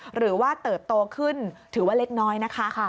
เติบโตขึ้นถือว่าเล็กน้อยนะคะ